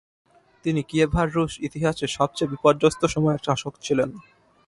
তিনি কিয়েভান রুস ইতিহাসের সবচেয়ে বিপর্যস্ত সময়ের শাসক ছিলেন।